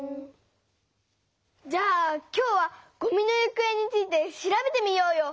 じゃあ今日は「ごみのゆくえ」について調べてみようよ！